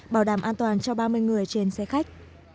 bảo đảm an toàn cho ba mươi người trên xe khách